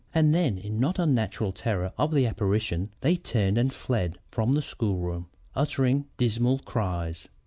And then, in not unnatural terror of the apparition they turned and fled from the schoolroom, uttering dismal cries.